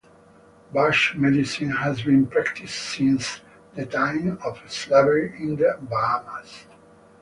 Bush medicine has been practised since the times of slavery in the Bahamas.